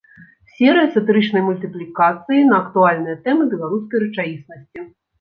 Серыя сатырычнай мультыплікацыі на актуальныя тэмы беларускай рэчаіснасці.